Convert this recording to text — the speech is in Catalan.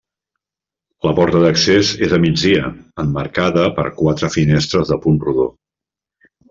La porta d'accés és a migdia, emmarcada per quatre finestres de punt rodó.